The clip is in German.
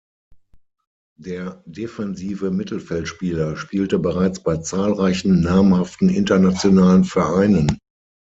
Der defensive Mittelfeldspieler spielte bereits bei zahlreichen namhaften internationalen Vereinen.